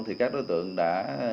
thì các đối tượng đã